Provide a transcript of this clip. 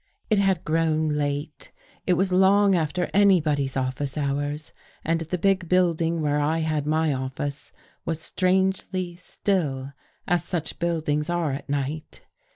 It had grown late. It was long after anybody's office hours, and the big building where I had my oflice was strangely still, as such buildings are at night.